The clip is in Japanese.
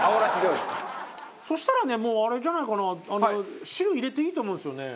そしたらねもうあれじゃないかな汁入れていいと思うんですよね。